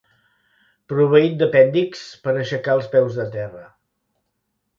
Proveït d'apèndixs per aixecar els peus de terra.